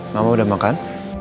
mama udah makan